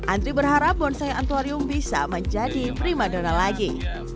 andri berharap bonsai antuarium bisa menjadi primadona lagi